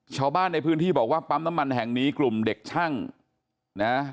ชาวบ้านในพื้นที่บอกว่าปั๊มน้ำมันแห่งนี้กลุ่มเด็กช่างนะ